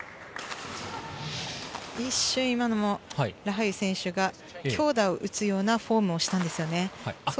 一瞬、今のもラハユ選手が強打を打つようなフォームをしたんですよね。